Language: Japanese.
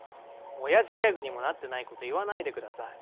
親父ギャグにもなってない事言わないでください。